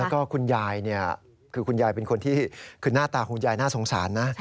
แล้วก็คุณยายเนี่ยคือคุณยายเป็นคนที่คือหน้าตาคุณยายน่าสงสารนะ